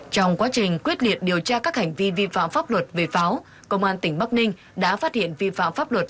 trong quá trình quyết liệt điều tra các hành vi vi phạm pháp luật về pháo công an tỉnh bắc ninh đã phát hiện vi phạm pháp luật